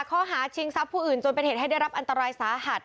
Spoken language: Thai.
ข้อหาชิงทรัพย์ผู้อื่นจนเป็นเหตุให้ได้รับอันตรายสาหัส